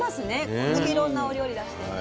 こんだけいろんなお料理出してね。